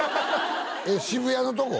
渋谷のとこ？